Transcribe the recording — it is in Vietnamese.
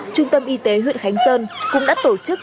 trung tâm y tế huyện khánh sơn cũng đã tổ chức